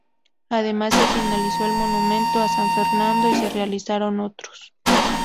Además se finalizó el monumento a San Fernando y se realizaron otros.